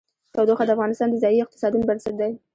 تودوخه د افغانستان د ځایي اقتصادونو بنسټ دی.